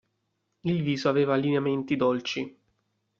Il viso aveva lineamenti più dolci.